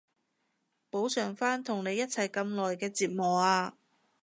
補償返同你一齊咁耐嘅折磨啊